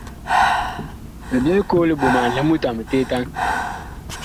Mi byɛɛ koo li ɓoman li mut a miteetan.